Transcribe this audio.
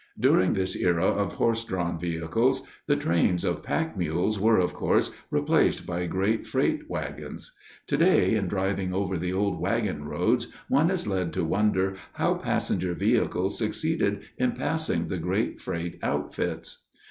During this era of horse drawn vehicles, the trains of pack mules were, of course, replaced by great freight wagons. Today, in driving over the old wagon roads, one is led to wonder how passenger vehicles succeeded in passing the great freight outfits.